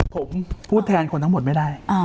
ผมพูดแทนคนทั้งหมดไม่ได้